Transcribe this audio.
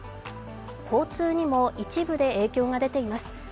交通にも一部で影響が出ています。